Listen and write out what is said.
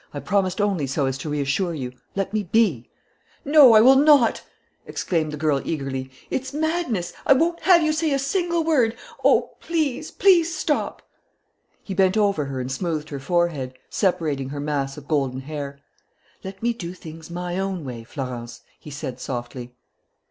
I promised only so as to reassure you. Let me be." "No, I will not!" exclaimed the girl eagerly. "It's madness! I won't have you say a single word. Oh, please, please stop!" He bent over her and smoothed her forehead, separating her mass of golden hair. "Let me do things my own way, Florence," he said softly.